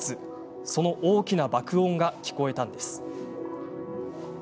その大きな爆音が聞こえたのです。